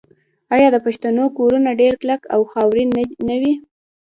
آیا د پښتنو کورونه ډیر کلک او خاورین نه وي؟